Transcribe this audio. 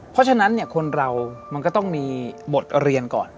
เพราะฉะนั้นคนเรามันก็ต้องมีบทเรียนก่อน